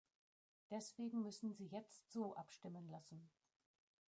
Deswegen müssen Sie jetzt so abstimmen lassen.